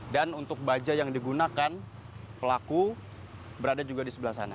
dan untuk baja yang digunakan pelaku berada juga di sebelah sana